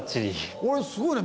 俺すごいね。